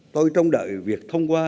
tôi trông đợi việc thông qua